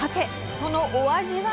そのお味は？